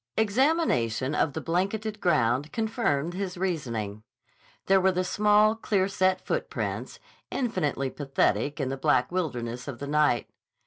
Examination of the blanketed ground confirmed his reasoning. There were the small, clear set footprints, infinitely pathetic in the black wildness of the night.